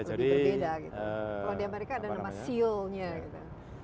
kalau di amerika ada namanya seal nya